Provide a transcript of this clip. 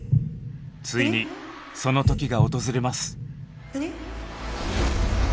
ついにその時が訪れます。